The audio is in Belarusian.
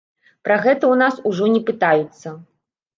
Пра гэта ў нас ужо не пытаюцца.